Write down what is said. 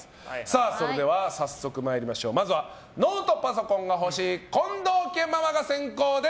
それでは早速、まずはノートパソコンが欲しい近藤家ママが先攻です。